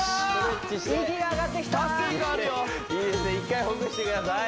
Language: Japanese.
１回ほぐしてください